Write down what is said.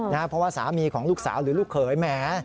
เพราะว่าสามีของลูกสาวหรือลูกเขยแหม